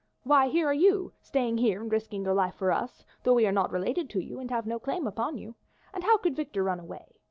Why, here are you staying here and risking your life for us, though we are not related to you and have no claim upon you. And how could Victor run away?